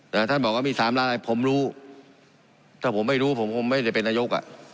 แต่ท่านบอกว่ามีสามล้านอะไรผมรู้ถ้าผมไม่รู้ผมคงไม่ได้เป็นนายกอ่ะ